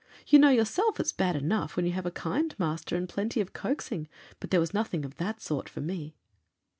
You know yourself it's bad enough when you have a kind master and plenty of coaxing, but there was nothing of that sort for me.